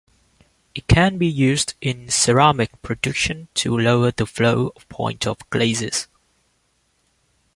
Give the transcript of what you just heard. It can be used in ceramic production to lower the flow point of glazes.